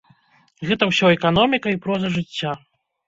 Гэта ўсё эканоміка і проза жыцця.